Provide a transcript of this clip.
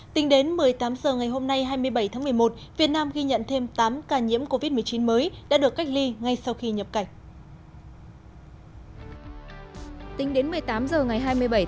tính đến một mươi tám h ngày hôm nay hai mươi bảy tháng một mươi một việt nam ghi nhận thêm tám ca nhiễm covid một mươi chín mới đã được cách ly ngay sau khi nhập cảnh